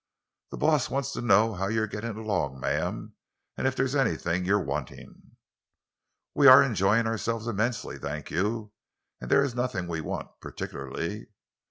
"The boss wants to know how you are gettin' along, ma'am, an' if there's anything you're wantin'?" "We are enjoying ourselves immensely, thank you; and there is nothing we want—particularly."